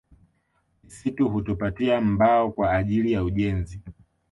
Misitu hutupatia mbao kwaajili ya ujenzi